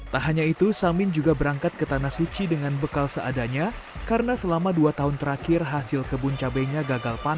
tak hanya itu samin juga berangkat ke tanah suci dengan bekal seadanya karena selama dua tahun terakhir hasil kebun cabainya gagal panen